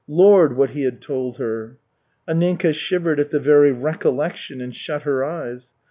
Lord, what he had told her! Anninka shivered at the very recollection and shut her eyes.